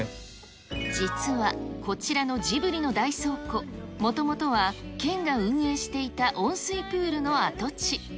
実は、こちらのジブリの大倉庫、もともとは県が運営していた温水プールの跡地。